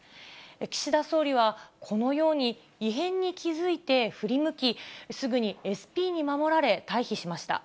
岸田総理はこのように、異変に気付いて振り向き、すぐにＳＰに守られ退避しました。